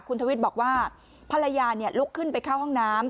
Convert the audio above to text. คุณทวิทย์บอกว่าภรรยาลุกขึ้นไปเข้าห้องน้ำ